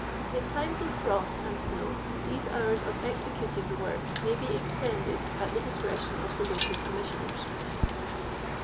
In times of frost and snow these hours of executing the work may be extended at the discretion of the Local Commissioners."